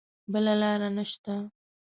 بله لاره نه شته.